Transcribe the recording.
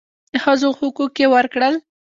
د ښځو حقوق یې ورکړل.